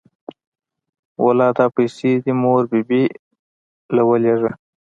واله دا پيسې دې مور بي بي له ولېګه.